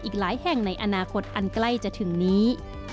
อีกหลายแห่งในอนาคตอันใกล้จะถึงนี้